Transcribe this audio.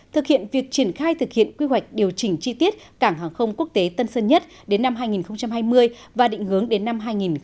thực hiện việc triển khai thực hiện quy hoạch điều chỉnh chi tiết cảng hàng không quốc tế tân sơn nhất đến năm hai nghìn hai mươi và định hướng đến năm hai nghìn ba mươi